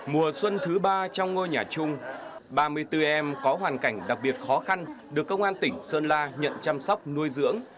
mùa xuân thứ ba trong ngôi nhà chung ba mươi bốn em có hoàn cảnh đặc biệt khó khăn được công an tỉnh sơn la nhận chăm sóc nuôi dưỡng